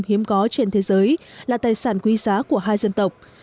hiếm có trên thế giới là tài sản quý giá của hai dân tộc